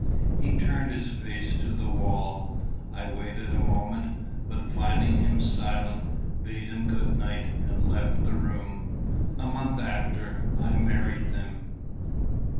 He turned his face to the wall. I waited a moment, but finding him silent, bade him good night, and left the room. A month after, I married them.